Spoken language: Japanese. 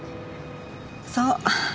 そう。